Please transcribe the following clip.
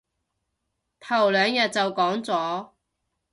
頭兩日就講咗